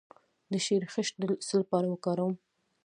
د شیرخشت د څه لپاره وکاروم؟